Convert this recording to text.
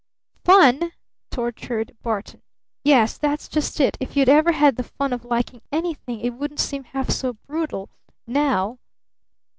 "Fun?" tortured Barton. "Yes, that's just it! If you'd ever had the fun of liking anything it wouldn't seem half so brutal now!"